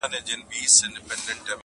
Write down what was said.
o ږيره زما، اختيار ئې د بل٫